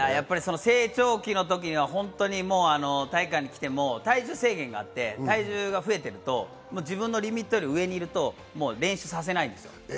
成長期の時は本当に体育館に来ても体重制限があって、増えていると自分のリミットより上にいると練習させないんです。